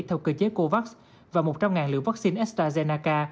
theo cơ chế covax và một trăm linh liều vaccine estrazennaca